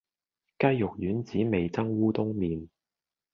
雞肉丸子味噌烏龍麵